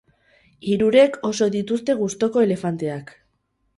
Hirurek oso dituzte gustoko elefanteak.